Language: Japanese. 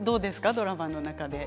ドラマの中で。